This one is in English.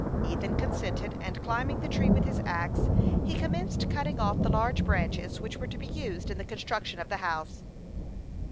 Ethan consented, and climbing the tree with his axe, he commenced cutting off the large branches which were to be used in the construction of the house.